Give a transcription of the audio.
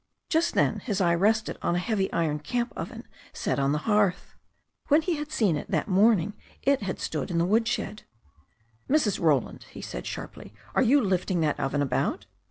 Just then his eye rested on a heavy iron camp oven set on the hearth. When he had seen it that morning it had stood in the woodshed. "Mrs. Roland," he said sharply, "are you lifting that oven about?"